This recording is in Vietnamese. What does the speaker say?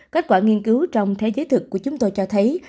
kết quả nghiên cứu trong thế giới thực của chúng tôi cho thấy